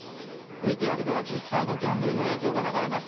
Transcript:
ＶＴＲでは実際のギャンブルの映像が流れます